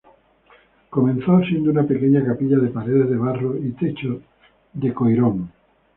Comenzó siendo una pequeña capilla de paredes de barro y techo de coirón.